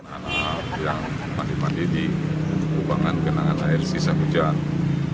anak anak yang mandi mandi di kubangan kenangan air sisa hujan